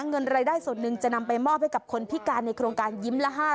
เงินรายได้ส่วนหนึ่งจะนำไปมอบให้กับคนพิการในโครงการยิ้มละ๕